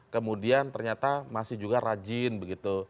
kemudian ternyata masih juga rajin begitu